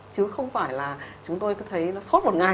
chứ không phải là chúng tôi cứ thấy nó sốt một ngày